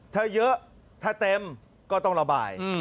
ถ้าเยอะถ้าเต็มก็ต้องระบาย